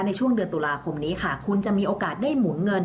ในช่วงเดือนตุลาคมนี้ค่ะคุณจะมีโอกาสได้หมุนเงิน